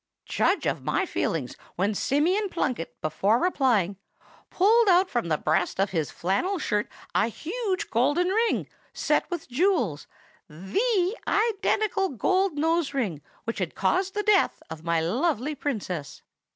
"Judge of my feelings when Simeon Plunkett, before replying, pulled out from the breast of his flannel shirt a huge golden ring, set with jewels,—the identical golden nose ring which had caused the death of my lovely Princess.